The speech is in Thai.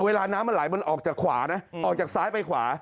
เวลาน้ำมันไหลมันออกจากขวานะออกจากซ้ายไปขวา